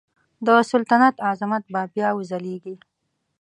د سلطنت عظمت به بیا وځلیږي.